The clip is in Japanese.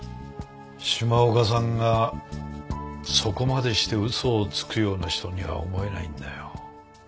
島岡さんがそこまでして嘘をつくような人には思えないんだよ。